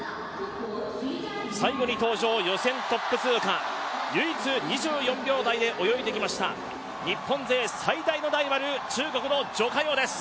最後に登場、予選トップ通過唯一２４秒台で泳いできました、日本勢最大のライバル、中国の徐嘉余です。